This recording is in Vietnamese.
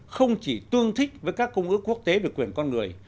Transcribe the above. không chỉ tương thích với các công ước quốc tế về quyền con người